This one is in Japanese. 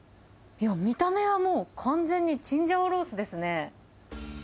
見た目はもう完全にチンジャオロースですね。